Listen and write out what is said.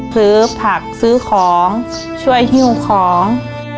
ซื้อผักซื้อของช่วยฮิ้วของ